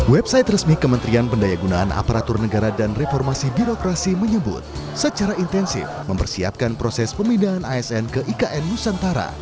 website resmi kementerian pendaya gunaan aparatur negara dan reformasi birokrasi menyebut secara intensif mempersiapkan proses pemindahan asn ke ikn nusantara